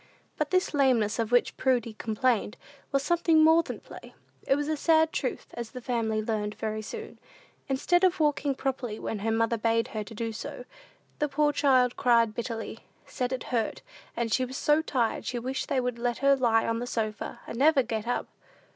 But this lameness of which little Prudy complained, was something more than play; it was a sad truth, as the family learned very soon. Instead of walking properly when her mother bade her do so, the poor child cried bitterly, said it hurt her, and she was so tired she wished they would let her lie on the sofa, and never get up.